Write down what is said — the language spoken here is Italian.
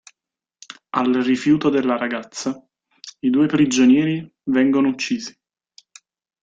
Al rifiuto della ragazza, i due prigionieri vengono uccisi.